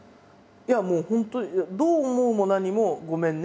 いやもう本当どう思うも何も「ごめんね」。